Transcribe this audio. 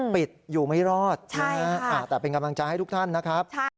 ปิดอยู่ไม่รอดนะฮะแต่เป็นกำลังใจให้ทุกท่านนะครับ